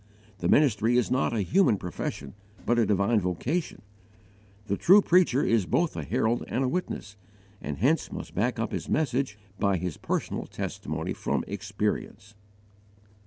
The ministry is not a human profession, but a divine vocation. The true preacher is both a herald and a witness, and hence must back up his message by his personal testimony from experience.